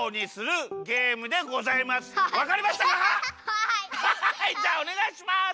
はいじゃあおねがいします！